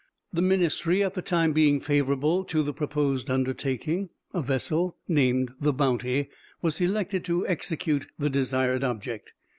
The ministry at the time being favorable to the proposed undertaking, a vessel, named the Bounty, was selected to execute the desired object.